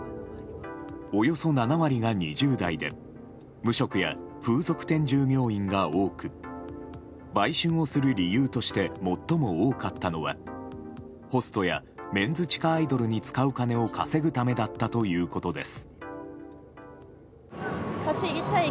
およそ７割が２０代で無職や風俗店従業員が多く売春をする理由として最も多かったのはホストや、メンズ地下アイドルに使う金を稼ぐためだったということです。